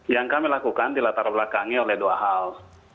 yang kami lakukan dilatar belakangi oleh dua hal